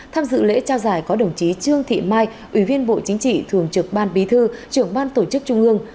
tham dự lễ trao giải có đồng chí trương thị mai ủy viên bộ chính trị thường trực ban bí thư trưởng ban tổ chức trung ương